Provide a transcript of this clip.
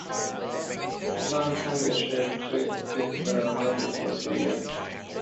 It is widely exported.